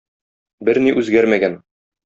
Берни үзгәрмәгән.